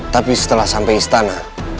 tapi setelah sampai istana